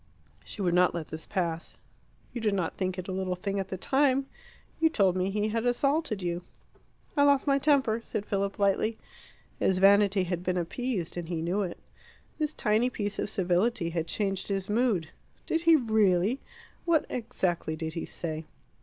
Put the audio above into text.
She would not let this pass. "You did not think it a little thing at the time. You told me he had assaulted you." "I lost my temper," said Philip lightly. His vanity had been appeased, and he knew it. This tiny piece of civility had changed his mood. "Did he really what exactly did he say?"